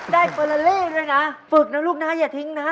ได้โปรลาลีด้วยนะฝึกนะลูกนะอย่าทิ้งนะ